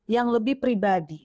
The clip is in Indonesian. yang lebih pribadi